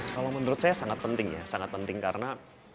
kalau menurut saya sangat penting ya sangat penting karena